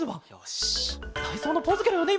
たいそうのポーズケロよね？